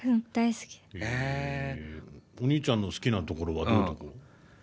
お兄ちゃんの好きなところはどういうとこ？